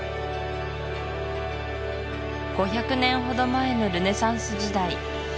５００年ほど前のルネサンス時代